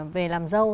về làm dâu